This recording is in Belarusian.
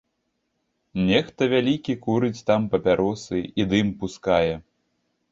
Нехта вялікі курыць там папяросы і дым пускае.